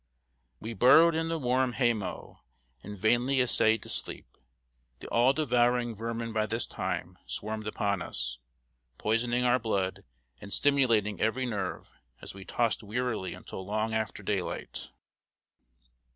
] We burrowed in the warm hay mow, and vainly essayed to sleep. The all devouring vermin by this time swarmed upon us, poisoning our blood and stimulating every nerve, as we tossed wearily until long after daylight.